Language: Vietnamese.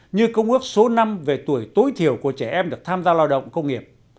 như công ước số năm về tuổi tối thiểu của trẻ em được tham gia lao động công nghiệp